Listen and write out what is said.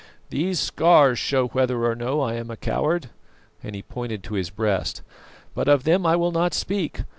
These scars show whether or no I am a coward," and he pointed to his breast, "but of them I will not speak.